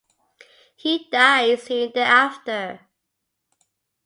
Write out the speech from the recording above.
He died soon thereafter.